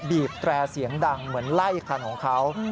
บีบแตรเสียงดังเหมือนไล่คันของเขา